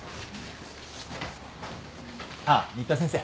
あっ新田先生